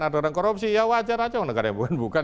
ada orang korupsi ya wajar aja negara yang bukan